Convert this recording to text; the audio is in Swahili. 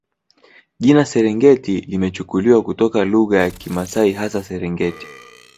Jina Serengeti limechukuliwa kutoka lugha ya Kimasai hasa Serengeti